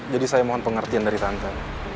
jadi saya mohon pengertian dari tante